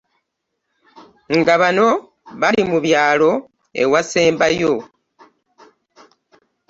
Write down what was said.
Nga bano bali mu byalo ewasembayo